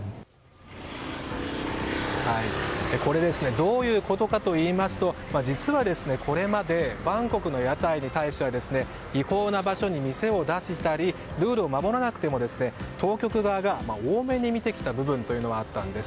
どういうことかといいますと実は、これまでバンコクの屋台に対しては違法な場所に店を出したりルールを守らなくても、当局側が大目に見てきた部分というのがあったんです。